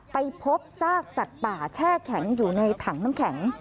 ไปพบซากสัตว์ป่าแช่แข็งอยู่ในถังน้ำแข็ง